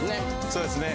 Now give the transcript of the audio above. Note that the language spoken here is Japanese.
そうですね